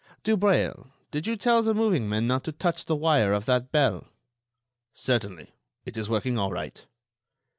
"Dubreuil, did you tell the moving men not to touch the wire of that bell?" "Certainly; it is working all right."